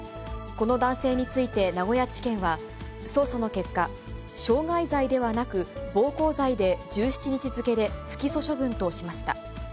この男性について、名古屋地検は捜査の結果、傷害罪ではなく、暴行罪で１７日付で不起訴処分としました。